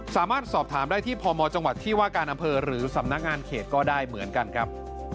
สามารถสอบถามได้ที่พมจังหวัดที่ว่าการอำเภอหรือสำนักงานเขตก็ได้เหมือนกันครับ